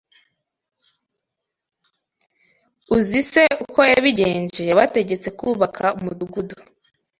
Uzi se uko yabigenje Yabategetse kubaka umudugudu